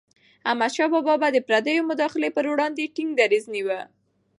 احمدشاه بابا به د پردیو مداخلي پر وړاندې ټينګ دریځ نیوه.